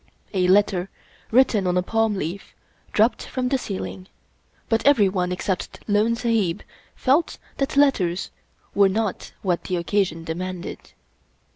A letter, written on a palm leaf, dropped from the ceiling, but everyone except Lone Sahib felt that letters were not what the occasion demanded.